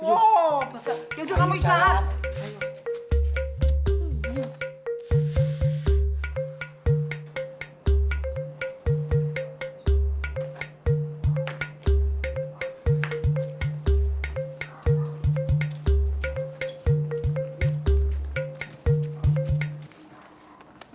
oh yaudah kamu istirahat